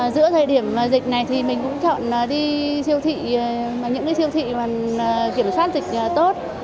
giữa thời điểm dịch này thì mình cũng chọn đi siêu thị những cái siêu thị mà kiểm soát dịch tốt